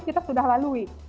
kita sudah lalui